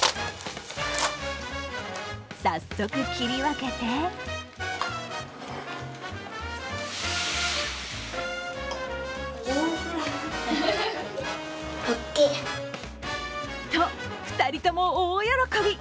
早速、切り分けてと２人とも大喜び。